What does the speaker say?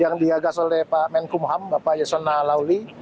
yang diagas oleh pak menkumham bapak yasona lauli